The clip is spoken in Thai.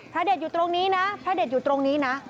เด็ดอยู่ตรงนี้นะพระเด็ดอยู่ตรงนี้นะ